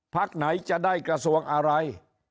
พักไหนจะได้กระทรวงอะไร